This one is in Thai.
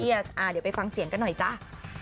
เดี๋ยวไปฟังเสียงกันหน่อยจ้า